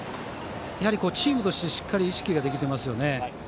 チームとしてしっかり意識ができていますよね。